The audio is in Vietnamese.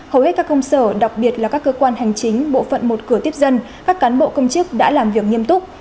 hầu hết các công sở đặc biệt là các cơ quan hành chính bộ phận một cửa tiếp dân các cán bộ công chức đã làm việc nghiêm túc